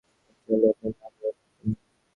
আমি চাইলে, আপনার না বলার ক্ষমতা নেই।